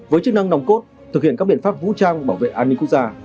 với chức năng nòng cốt thực hiện các biện pháp vũ trang bảo vệ an ninh quốc gia